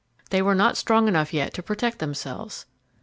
They were not strong enough yet to protect themselves.